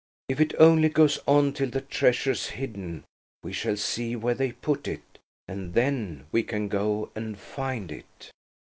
"If it only goes on till the treasure's hidden, we shall see where they put it, and then we can go and find it."